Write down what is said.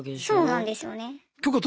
そうなんですよね。